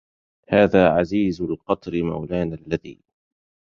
هذا عزيز القطر مولانا الذي